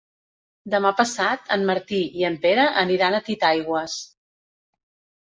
Demà passat en Martí i en Pere aniran a Titaigües.